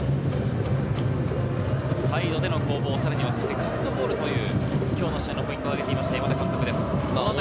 サイドでの攻防、セカンドボールという今日の試合のポイントをあげていました、山田監督です。